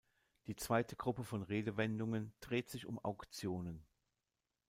Die zweite Gruppe von Redewendungen dreht sich um Auktionen.